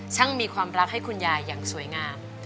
ช่างมีความรักให้คุณยายอย่างสวยงาม